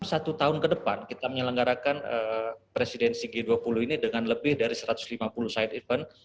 satu tahun ke depan kita menyelenggarakan presidensi g dua puluh ini dengan lebih dari satu ratus lima puluh side event